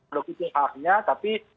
kalau itu halnya tapi